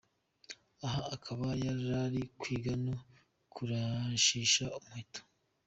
Aha akaba yarari kwiga no kurashisha Umuheto.